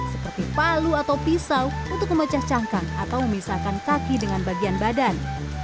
seperti palu atau pisau untuk memecah cangkang atau memisahkan kaki dengan bagian badan